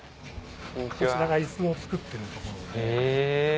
こちらがイスを作ってるところで。